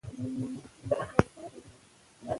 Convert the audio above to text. نو ددې دپاره چې بشري ټولنه ددې ناخوالو څخه خلاصه سي